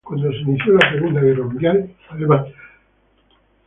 Cuando se inició la Segunda Guerra Mundial, Alemania ocupó la mitad occidental de Polonia.